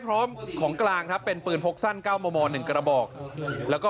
พร้อมของกลางครับเป็นปืนพกสั้น๙มม๑กระบอกแล้วก็